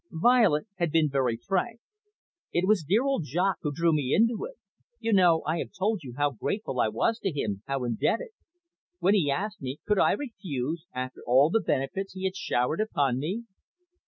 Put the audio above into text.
Violet had been very frank. "It was dear old Jaques who drew me into it. You know I have told you how grateful I was to him, how indebted. When he asked me, could I refuse, after all the benefits he had showered upon me?"